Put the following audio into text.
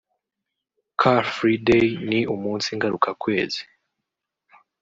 Car Free Day” ni umunsi ngarukakwezi